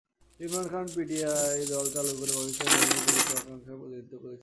Imran Khan PTI দল চালু করে পাকিস্তানের জনগণের প্রকৃত আকাঙ্ক্ষার প্রতিনিধিত্ব করেছিলেন।